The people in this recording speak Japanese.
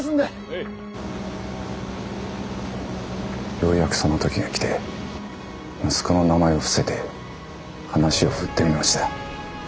ようやくその時が来て息子の名前を伏せて話を振ってみました。